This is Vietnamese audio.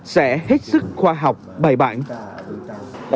sẽ hết sức khoa học bài bản